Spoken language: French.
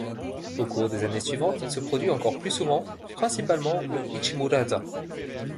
Au cours des années suivantes, il se produit encore plus souvent, principalement au Ichimura-za.